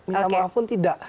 minta maaf pun tidak